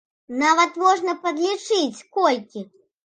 Нават можна падлічыць колькі.